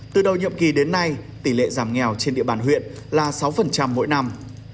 từ đầu nhiệm kỳ đến nay tỷ lệ giảm nghèo trên địa bàn huyện là sáu mỗi năm